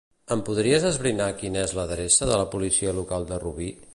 Em podries esbrinar quina és l'adreça de la policia local de Rubí?